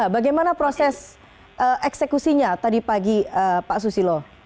bagaimana proses eksekusinya tadi pagi pak susilo